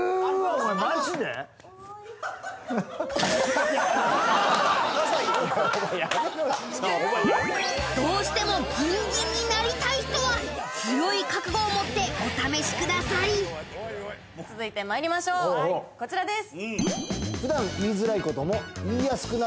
お前やめろよどうしてもギンギンになりたい人は強い覚悟を持ってお試しください続いてまいりましょうこちらです